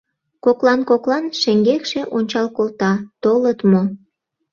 Коклан-коклан шеҥгекше ончал колта: толыт мо?